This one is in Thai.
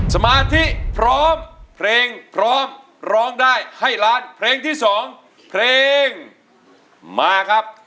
สมาธิพร้อมเพลงพร้อมร้องได้ให้ล้านเพลงที่๒เพลงมาครับ